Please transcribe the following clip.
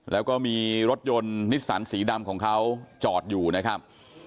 แล้วก็มีรถยนต์นิสสันสีดำของเขาจอดอยู่นะครับ